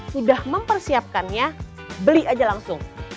sudah mempersiapkannya beli aja langsung